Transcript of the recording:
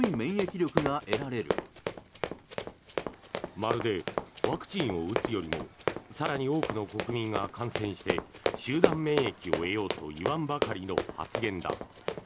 まるで、ワクチンを打つよりも更に多くの国民が感染して集団免疫を得ようと言わんばかりの発言だ。